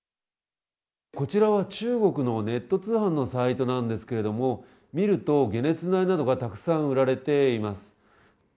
こちらは中国のネット通販のサイトなんですけれども、見ると、解熱剤などがたくさん売られています。